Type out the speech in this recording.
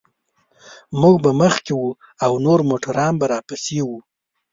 موږ به مخکې وو او نور موټران به راپسې و.